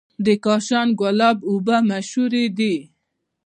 د کاشان ګلاب اوبه مشهورې دي.